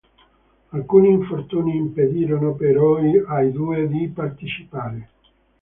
Alcuni infortuni impedirono però ai due di partecipare.